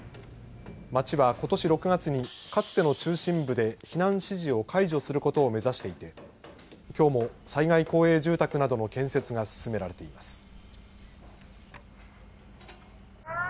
町はことし６月にかつての中心部で避難指示を解除することを目指していてきょうも災害公営住宅などの建設が進められています。